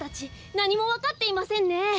なにもわかっていませんね。